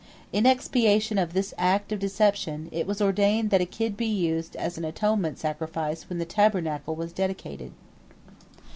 In expiation of this act of deception, it was ordained that a kid be used as an atonement sacrifice when the Tabernacle was dedicated.